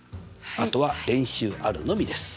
あとは練習あるのみです！